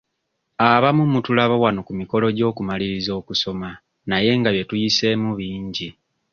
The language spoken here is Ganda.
Abamu mutulabira wano ku mikolo gy'okumaliriza okusoma naye nga bye tuyiseemu bingi.